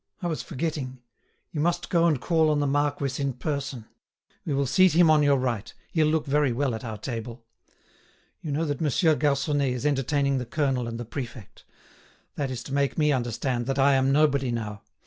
I was forgetting; you must go and call on the marquis in person; we will seat him on your right; he'll look very well at our table. You know that Monsieur Garconnet is entertaining the colonel and the prefect. That is to make me understand that I am nobody now.